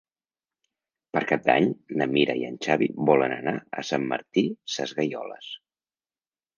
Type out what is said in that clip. Per Cap d'Any na Mira i en Xavi volen anar a Sant Martí Sesgueioles.